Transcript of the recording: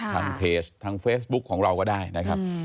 ทางเพจทางเฟซบุ๊กของเราก็ได้นะครับ